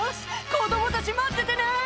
子供たち待っててね」